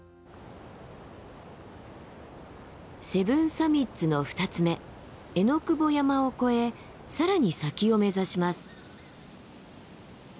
セブンサミッツの２つ目榎窪山を越え更に先を目指します。